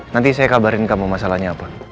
nanti saya kabarin kamu masalahnya apa